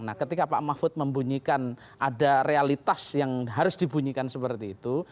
nah ketika pak mahfud membunyikan ada realitas yang harus dibunyikan seperti itu